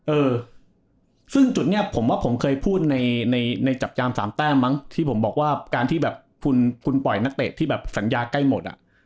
เออซึ่งจุดนี้ผมว่าผมเคยพูดในในจับจาม๓แต้มมั้งที่ผมบอกว่าการที่แบบคุณปล่อยนักเตะที่แบบสัญญาใกล้หมดอ่ะ